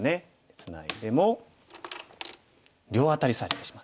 ツナいでも両アタリされてしまって。